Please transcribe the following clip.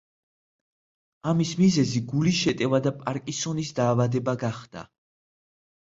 ამის მიზეზი გულის შეტევა და პარკინსონის დაავადება გახდა.